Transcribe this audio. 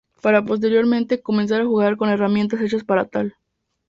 Para posteriormente, comenzar a jugar con herramientas hechas para tal.